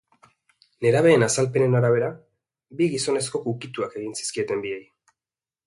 Nerabeen azalpenen arabera, bi gizonezkok ukituak egin zizkieten biei.